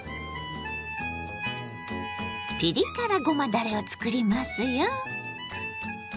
ピリ辛ごまだれを作りますよ。